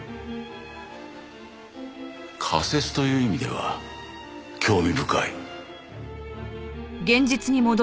仮説という意味では興味深い。